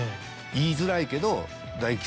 「言いづらいけど」。